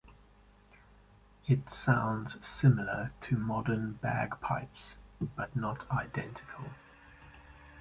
It sounds similar to modern bagpipes, but not identical.